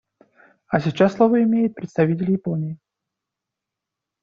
А сейчас слово имеет представитель Японии.